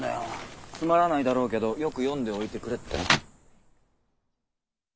「つまらないだろうけどよく読んでおいてくれ」ってな。